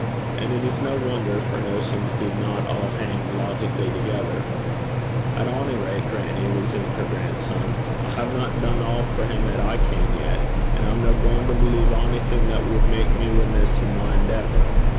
And it is no wonder if her notions did not all hang logically together. 'At ony rate, grannie,' resumed her grandson, 'I haena dune a' for him 'at I can yet; and I'm no gaein' to believe onything that wad mak me remiss in my endeavour.